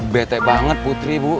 betek banget putri bu